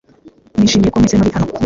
Nishimiye ko mwese muri hano.